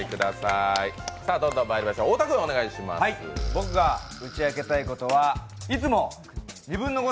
僕が打ち明けたいことはいつもニブンノゴ！